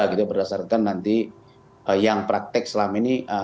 kita berdasarkan nanti yang praktek selama ini